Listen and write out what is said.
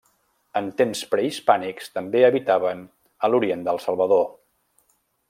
En temps prehispànics també habitaven a l'orient del Salvador.